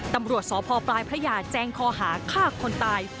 ตำรวจสพปลายพระยาแจ้งคอหาฆ่าคนตาย